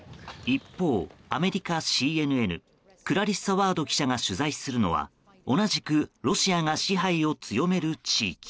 一方、アメリカＣＮＮクラリッサ・ワード記者が取材するのは同じくロシアが支配を強める地域。